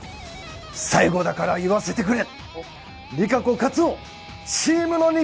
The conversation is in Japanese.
最後だから言わせてくれ。